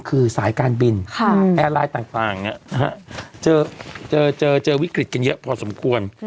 คือสายการบินแอร์ไลน์ต่างเจอวิกฤตกันเยอะพอสมควร